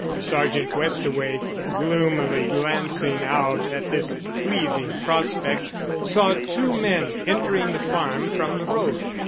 Sergeant Westaway, gloomily glancing out at this pleasing prospect, saw two men entering the farm from the road.